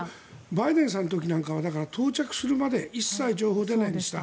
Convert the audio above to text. バイデンさんの時なんかは到着するまで一切、情報が出ませんでした。